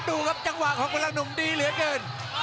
พลังหนุ่มดีเหลือเกิน